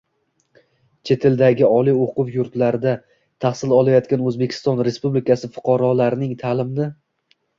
Chet eldagi oliy o‘quv yurtlarida tahsil olayotgan O‘zbekiston Respublikasi fuqarolarining ta’limni